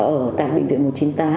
ở tại bệnh viện một trăm chín mươi tám